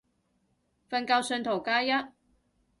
瞓覺信徒加一